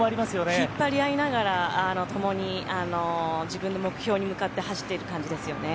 引っ張り合いながらともに自分の目標に向かって走っている感じですよね。